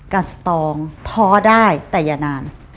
สตองท้อได้แต่อย่านาน